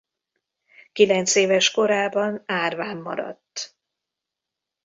Kilencéves korában árván maradt.